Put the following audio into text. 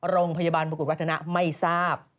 โรงพยาบาลมงกุฎวัฒนะไม่ทราบ